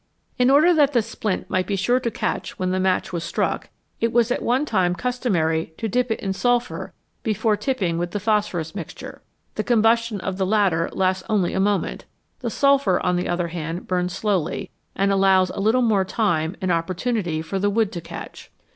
In order that the splint might be sure to catch when the match was struck, it was at one time customary to dip it in sulphur before tipping with the phosphorus mixture. The combustion of the latter lasts only a moment ; the sulphur, on the other hand, burns slowly, and allows a little more time and opportunity for the wood to catch.